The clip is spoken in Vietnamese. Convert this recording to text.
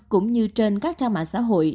cũng như trên các trang mạng xã hội